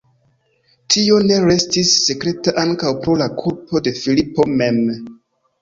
Tio ne restis sekreta ankaŭ pro la kulpo de Filipo mem.